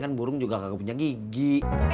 lagian kan burung juga kagak punya gigi